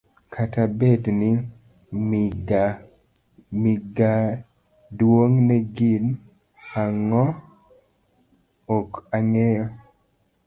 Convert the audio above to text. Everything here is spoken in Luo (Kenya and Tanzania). kata bed ni gimaduong' ne gin ang'o, ok ang'eyo.